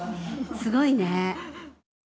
すごいね。